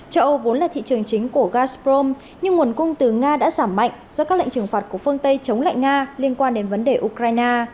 châu âu vốn là thị trường chính của gazprom nhưng nguồn cung từ nga đã giảm mạnh do các lệnh trừng phạt của phương tây chống lại nga liên quan đến vấn đề ukraine